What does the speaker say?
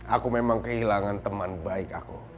aku memang kehilangan teman baik aku